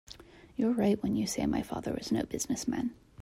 You're right when you say my father was no business man.